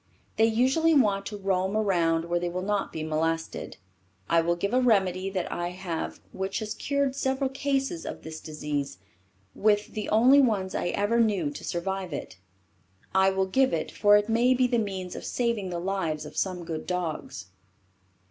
They usually want to roam around where they will not be molested. I will give a remedy that I have which has cured several cases of this disease with the only ones I ever knew to survive it. I will give it for it may be the means of saving the lives of some good dogs.